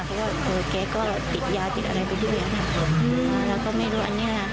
เพราะว่าเออแกก็ติดยาติดอะไรไปด้วยอ่ะน่ะอืมแล้วก็ไม่รู้อันนี้ล่ะ